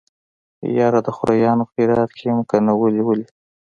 يره د خوريانو خيرات کې يم کنه ولې ولې.